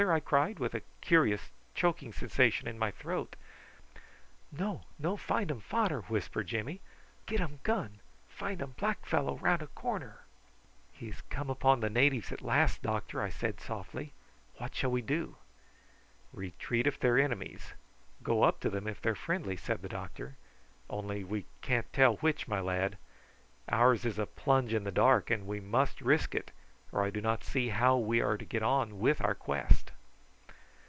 I cried, with a curious choking sensation in my throat. "No; no findum fader," whispered Jimmy. "Get um gun. Findum black fellow round a corner." "He has come upon the natives at last, doctor," I said softly. "What shall we do?" "Retreat if they are enemies; go up to them if they are friendly," said the doctor; "only we can't tell which, my lad. Ours is a plunge in the dark, and we must risk it, or I do not see how we are to get on with our quest."